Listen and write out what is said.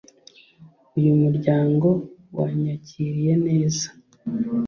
Uyu muryango wanyakiriye neza